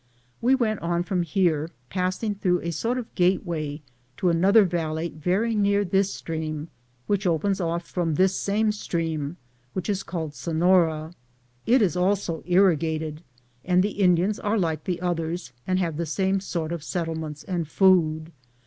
We went on from here, passing through a sort of gateway, to another valley very near this stream, which opens off from this same stream, which is called Seflora. It is also irrigated, and the Indians are like the others and have the same sort of settlements and food.